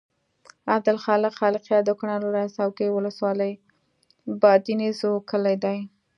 عبدالخالق خالقیار د کونړ ولایت څوکۍ ولسوالۍ بادینزو کلي دی.